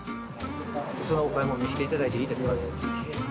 そのお買い物見せていただいていいですか？